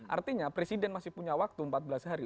artinya presiden masih punya waktu empat belas hari